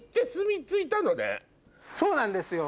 そうなんですよ。